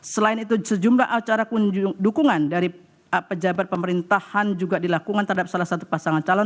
selain itu sejumlah acara dukungan dari pejabat pemerintahan juga dilakukan terhadap salah satu pasangan calon